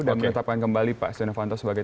dan menetapkan kembali pak sionavanto sebagai